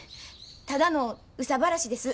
ただの憂さ晴らしです。